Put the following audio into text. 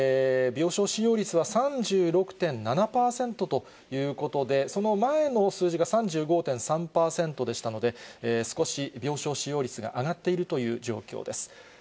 病床使用率は３６．７％ということで、その前の数字が３５．３％でしたので、少し病床使用率が上がっているという状況です。